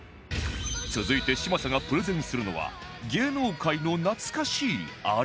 続いて嶋佐がプレゼンするのは芸能界の懐かしいアレコレ